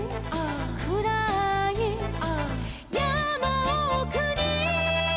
「くらーい」「」「やまおくに」